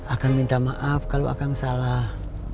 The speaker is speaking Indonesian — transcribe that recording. akan minta maaf kalau akan salah